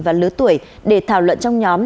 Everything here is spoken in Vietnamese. và lứa tuổi để thảo luận trong nhóm